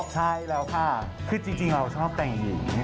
ใช่แล้วค่ะคือจริงเราชอบแต่งหญิง